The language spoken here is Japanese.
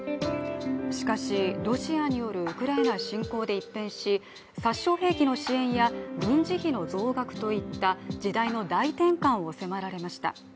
しかし、ロシアによるウクライナ侵攻で一変し殺傷兵器の支援や、軍事費の増額といった時代の大転換を迫られました。